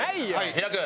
「開く。